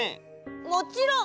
もちろん！